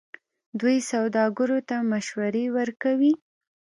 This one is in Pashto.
دوی سوداګرو ته مشورې ورکوي.